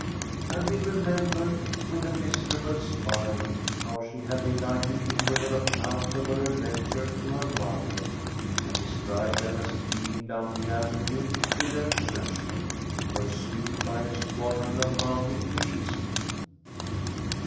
And he remembered with a miserable smile how she had delighted him with her account of her adventure to her mother, and described them as fleeing down the Avenue with their treasure, pursued by a squadron of mounted policemen.